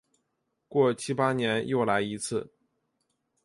过七八年又来一次。